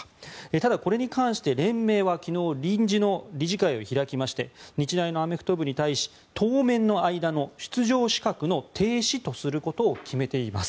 ただ、これに関して連盟は昨日臨時の理事会を開きまして日大のアメフト部に対し当面の間の出場資格の停止とすることを決めています。